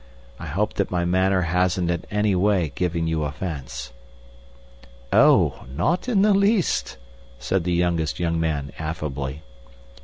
I hope that my manner hasn't in any way given you offence." "Oh, not in the least!" said the youngest young man affably.